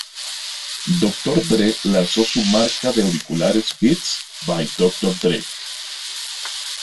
Dr. Dre lanzó su marca de auriculares, Beats by Dr. Dre.